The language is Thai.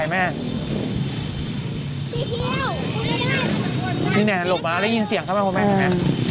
ไม่ค่อยหลบอยู่เพราะว่า